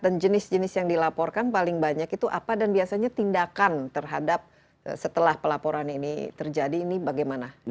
dan jenis jenis yang dilaporkan paling banyak itu apa dan biasanya tindakan terhadap setelah pelaporan ini terjadi ini bagaimana